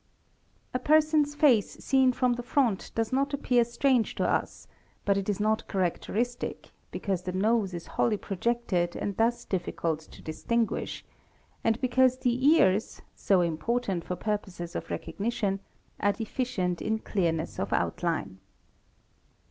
A person's face seen from the front does not appear strange to us but it is not characteristic, because the nose is wholly projected and thus difficult to distinguish, and because the ears, so important for purposes of recognition, are deficient in clearness of outline.